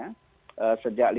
sejak lima tahun yang lalu